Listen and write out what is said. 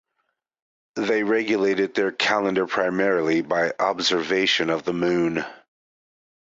They regulated their calendar primarily by observation of the moon.